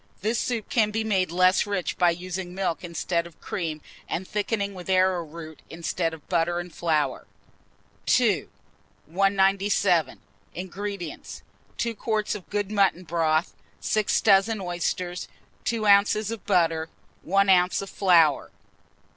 This soup can be made less rich by using milk instead of cream, and thickening with arrowroot instead of butter and flour. II. 197. INGREDIENTS. 2 quarts of good mutton broth, 6 dozen oysters, 2 oz. butter, 1 oz. of flour.